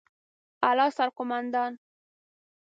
اعلى سرقومندان